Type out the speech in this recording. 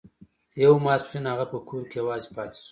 يو ماسپښين هغه په کور کې يوازې پاتې شو.